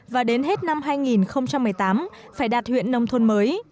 và đến hết năm hai nghìn một mươi tám phải đạt huyện nông thôn mới